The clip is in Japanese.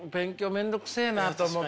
面倒くせえなと思って。